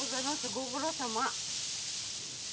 ご苦労さま。